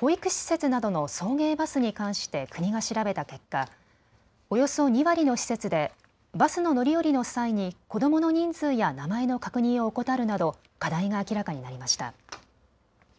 保育施設などの送迎バスに関して国が調べた結果、およそ２割の施設でバスの乗り降りの際に子どもの人数や名前の確認を怠るなど課題が明らかになりました。